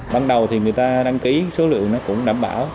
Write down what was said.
ban đầu thì người ta đăng ký số lượng nó cũng đảm bảo